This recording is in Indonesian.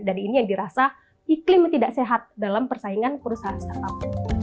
dan ini yang dirasa iklimnya tidak sehat dalam persaingan perusahaan startup